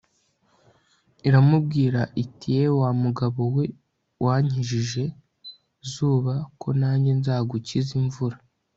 iramubwira itiyewe wa mugabo we, wankijije .... zuba, ko nange nzagukiza imvura